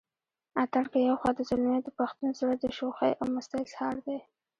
اتڼ که يو خوا د زلميو دپښتون زړه دشوخۍ او مستۍ اظهار دے